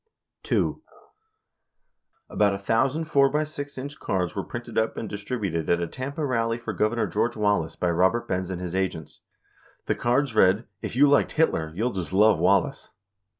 62 2. About a thousand 4 by 6 inch cards were printed up and dis tributed at a Tampa rally for Governor George Wallace by Kobert Benz and his agents. The cards read, "If You Liked Hitler, You'll Just Love Wallace."